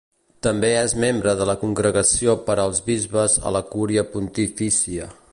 També és membre de la Congregació per als Bisbes a la Cúria pontifícia.